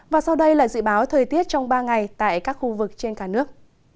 và sau đây là dự báo thời tiết trong ba ngày tại các khu vực trên cả nước